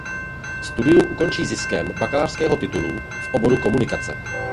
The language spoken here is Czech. Studium ukončí ziskem bakalářského titulu v oboru Komunikace.